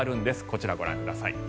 こちら、ご覧ください。